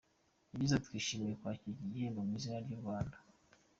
Yagize ati “Twishimiye kwakira iki gihembo mu izina ry’u Rwanda.